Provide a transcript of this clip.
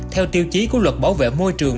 theo tiêu chí của luật bảo vệ môi trường